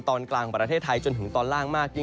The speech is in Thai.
ตอนกลางประเทศไทยจนถึงตอนล่างมากยิ่ง